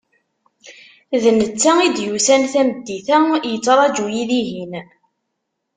D netta i d-yusan tameddit-a yettraǧu-yi dihin.